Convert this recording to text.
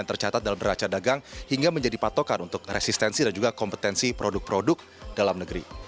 beracat dagang hingga menjadi patokan untuk resistensi dan juga kompetensi produk produk dalam negeri